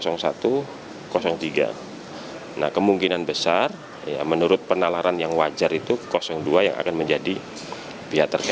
nah kemungkinan besar menurut penalaran yang wajar itu dua yang akan menjadi pihak terkait